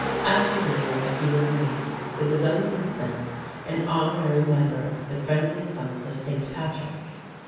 After the war he was made, with his own consent, an honorary member of the Friendly Sons of St. Patrick.